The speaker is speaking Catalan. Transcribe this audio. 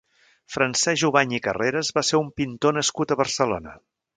Francesc Jubany i Carreras va ser un pintor nascut a Barcelona.